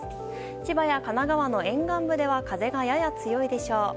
千葉や神奈川の沿岸部では風がやや強いでしょう。